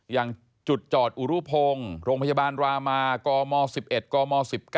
อย่างจุดจอดอุรุพงศ์โรงพยาบาลรามากม๑๑กม๑๙